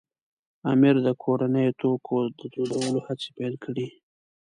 امیر د کورنیو توکو دودولو هڅې پیل کړې.